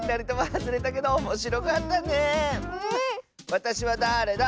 「わたしはだーれだ？」